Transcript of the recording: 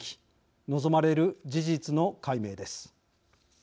望まれる事実の解明です。